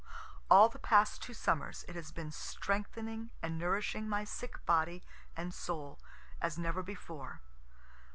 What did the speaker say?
All the past two summers it has been strengthening and nourishing my sick body and soul, as never before.